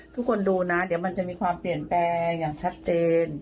ทุกคนดูนะเดี๋ยวมันจะมีความเปลี่ยนแปลงอย่างชัดเจน